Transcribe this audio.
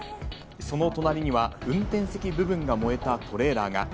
その隣には運転席部分が燃えたトレーラーが。